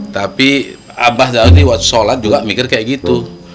tapi abah tadi waktu sholat juga mikir kayak gitu